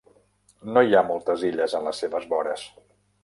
No hi ha moltes illes en les seves vores.